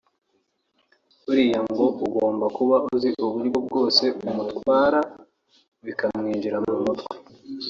Buriya ngo ugomba kuba uzi uburyo bwose umutwara bikamwinjira mu mutwe